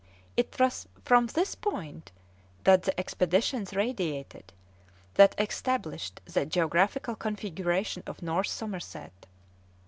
It was from this point that the expeditions radiated that established the geographical configuration of North Somerset.